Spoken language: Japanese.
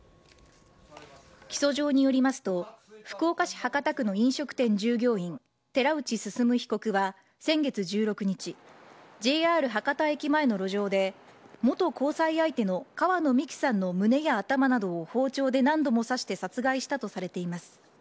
起訴状によりますと福岡市博多区の飲食店従業員寺内進被告は先月１６日ＪＲ博多駅前の路上で元交際相手の川野美樹さんの胸や頭などを包丁で何度も刺して殺害したとされています。